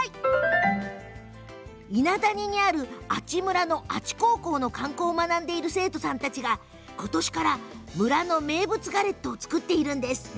伊那谷にある阿智村の阿智高校の観光を学んでいる生徒さんたちが今年から村の名物ガレットを作っているんです。